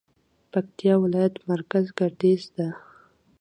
پکتيا ولايت مرکز ګردېز ده